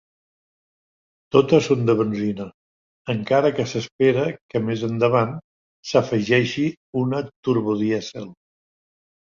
Totes són de benzina, encara que s'espera que més endavant s'afegeixi una turbodièsel.